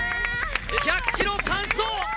１００キロ完走。